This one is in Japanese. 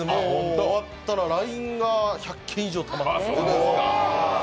終わったらＬＩＮＥが１００件以上あって。